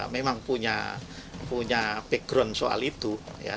memang punya background soal itu